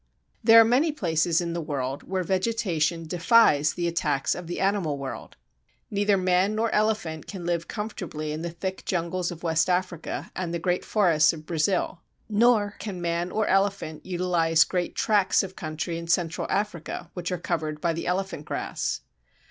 There are many places in the world where vegetation defies the attacks of the animal world. Neither man nor elephant can live comfortably in the thick jungles of West Africa and the great forests of Brazil. Nor can either man or elephant utilize great tracts of country in Central Africa which are covered by the Elephant Grass.